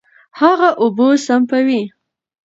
هغه اوبه سپموي.